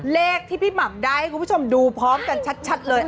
เลขที่พี่หม่ำได้ให้คุณผู้ชมดูพร้อมกันชัดเลย